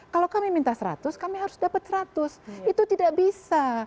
kalau kami minta seratus kami harus dapat seratus itu tidak bisa